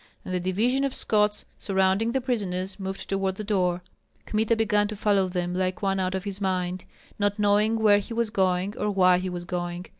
and the division of Scots surrounding the prisoners moved toward the door. Kmita began to follow them like one out of his mind, not knowing where he was going or why he was going.